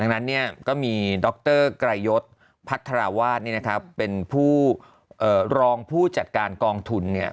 ดังนั้นเนี่ยก็มีดรไกรยศพัฒราวาสเนี่ยนะครับเป็นผู้รองผู้จัดการกองทุนเนี่ย